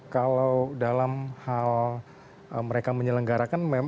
kalau dalam hal mereka menyelenggarakan